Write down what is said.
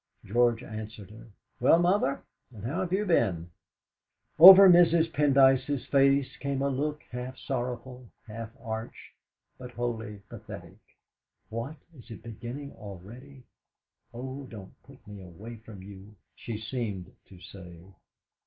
George answered her: "Well, Mother, and how have you been?" Over Mrs. Pendyce's face came a look half sorrowful, half arch, but wholly pathetic. 'What! is it beginning already? Oh, don't put me away from you!' she seemed to say.